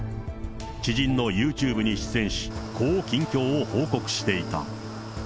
知人のユーチューブに出演し、こう近況を報告していた。